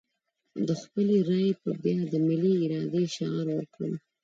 د خپلې رايې په بيه د ملي ارادې شعار ورکوو.